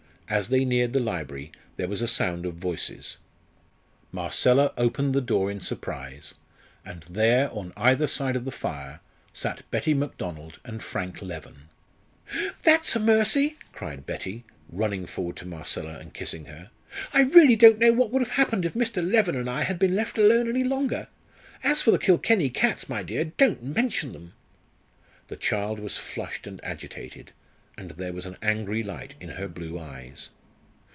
As they neared the library there was a sound of voices. Marcella opened the door in surprise, and there, on either side of the fire, sat Betty Macdonald and Frank Leven. "That's a mercy!" cried Betty, running forward to Marcella and kissing her. "I really don't know what would have happened if Mr. Leven and I had been left alone any longer. As for the Kilkenny cats, my dear, don't mention them!" The child was flushed and agitated, and there was an angry light in her blue eyes.